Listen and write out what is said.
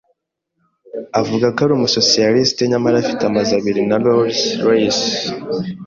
Avuga ko ari umusosiyaliste, nyamara afite amazu abiri na Rolls Royce